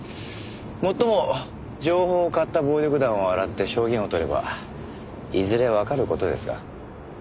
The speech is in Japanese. もっとも情報を買った暴力団を洗って証言を取ればいずれわかる事ですが。